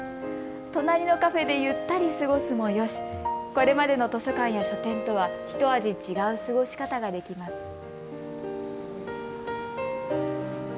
隣のカフェでゆったり過ごすもよし、これまでの図書館や書店とはひと味違う過ごし方ができます。